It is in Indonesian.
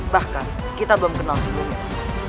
bahkan kita belum kenal si dunia